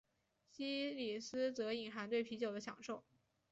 西里斯则隐含对啤酒的享受。